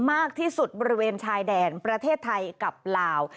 มากที่สุดบริเวณชายแดนประเทศไทยกับลาว